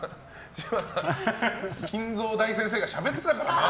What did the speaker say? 均三大先生がしゃべってたからな。